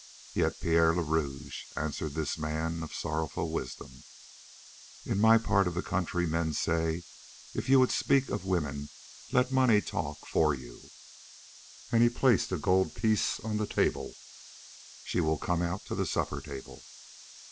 Yet Pierre le Rouge answered this man of sorrowful wisdom: "In my part of the country men say: 'If you would speak of women let money talk for you.'" And he placed a gold piece on the table. "She will come out to the supper table."